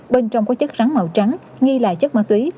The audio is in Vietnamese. bên trong có chất rắn màu trắng nghi là chất ma túy